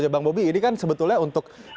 bang bobi ini kan sebetulnya untuk